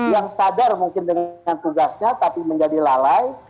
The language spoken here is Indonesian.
yang sadar mungkin dengan tugasnya tapi menjadi lalai